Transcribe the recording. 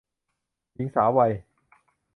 หญิงสาววัย